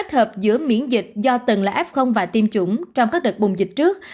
kết hợp giữa miễn dịch do từng là f và tiêm chủng trong các đợt bùng dịch trước